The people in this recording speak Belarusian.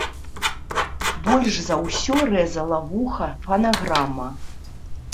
Больш за ўсё рэзала вуха фанаграма.